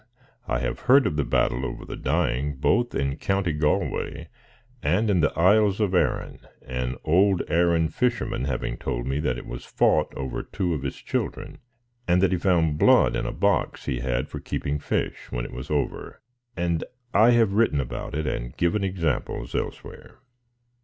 I have heard of the battle over the dying both in County Galway and in the Isles of Arann, an old Arann fisherman having told me that it was fought over two of his children, and that he found blood in a box he had for keeping fish, when it was over; and I have written about it, and given examples elsewhere.